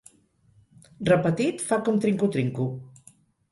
Repetit, fa com trinco trinco.